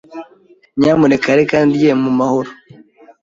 Nyamuneka reka ndye mu mahoro.